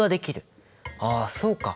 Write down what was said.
ああそうか！